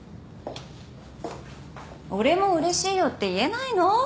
「俺もうれしいよ」って言えないの？